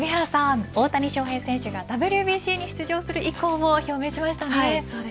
大谷翔平選手がＷＢＣに出場する意向を表明しましたね。